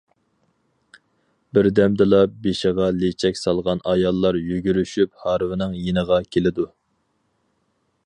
بىردەمدىلا بېشىغا لېچەك سالغان ئاياللار يۈگۈرۈشۈپ ھارۋىنىڭ يېنىغا كېلىدۇ.